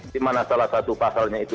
dimana salah satu pasalnya itu